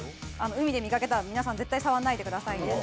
海で見かけたら皆さん絶対触らないでくださいね。